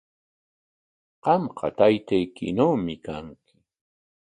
Qamqa taytaykinawmi kanki.